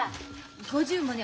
５０もね